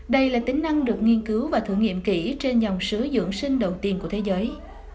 đây là tính năng được nghiên cứu và thử nghiệm kỹ trên dòng xứ dưỡng sinh đầu tiên của thế giới